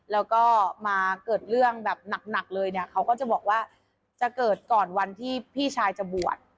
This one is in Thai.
แล้วก็มาเกิดเรื่องแบบหนักเลยเนี่ยเขาก็จะบอกว่าจะเกิดก่อนวันที่พี่ชายจะบวช